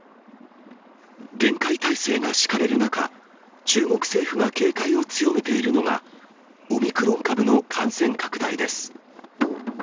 厳戒態勢が敷かれる中、中国政府が警戒を強めているのが、オミクロン株の感染拡大です。